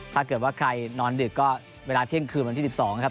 ถ้าเกิดว่าใครนอนดึกก็เวลาเที่ยงคืนวันที่๑๒นะครับ